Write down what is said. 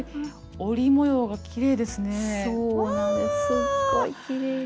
すっごいきれいです。